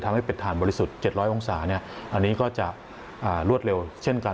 ปิดฐานบริสุทธิ์๗๐๐องศาอันนี้ก็จะรวดเร็วเช่นกัน